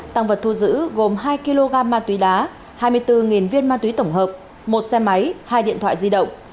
tăng vật thu giữ gồm hai kg ma túy đá hai mươi bốn viên ma túy tổng hợp một xe máy hai điện thoại di động